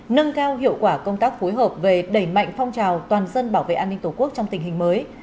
nâng cao hiệu quả công tác phối hợp về đẩy mạnh phong trào toàn dân bảo vệ an ninh tổ quốc trong tình hình mới